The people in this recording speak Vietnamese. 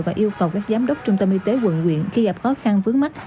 và yêu cầu các giám đốc trung tâm y tế quận quyện khi gặp khó khăn vướng mắt